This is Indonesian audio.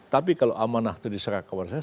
tapi kalau amanah itu diserah kawan saya